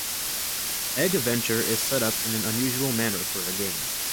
Egg Venture is set up in an unusual manner for a game.